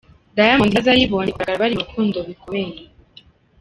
Diamond na Zari bongeye kugaragara bari mu rukundo bikomeye.